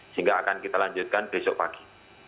sehingga akan kita lanjutkan besok pagi